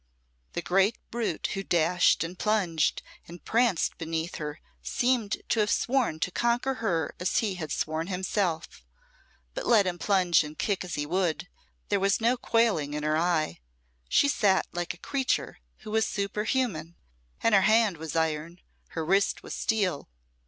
The great brute who dashed, and plunged, and pranced beneath her seemed to have sworn to conquer her as he had sworn himself; but let him plunge and kick as he would, there was no quailing in her eye, she sat like a creature who was superhuman, and her hand was iron, her wrist was steel.